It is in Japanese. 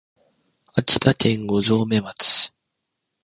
秋田県五城目町